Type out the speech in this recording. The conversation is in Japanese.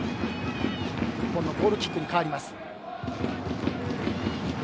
日本のゴールキックに変わります。